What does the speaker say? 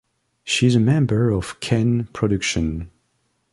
She is a member of Ken Production.